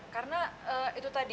karena itu tadi